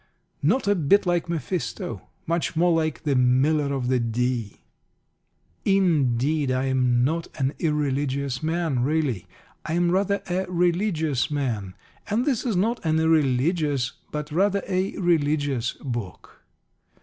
Not a bit like Mephisto: much more like the Miller of the Dee. Indeed, I am not an irreligious man, really; I am rather a religious man; and this is not an irreligious, but rather a religious, book.